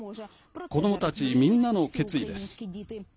子どもたちみんなの決意です。